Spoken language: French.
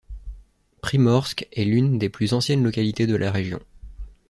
Primorsk est l'une des plus anciennes localités de la région.